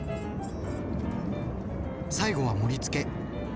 最後は盛り付け。